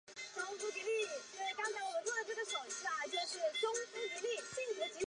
是琉球传说中第二个王朝。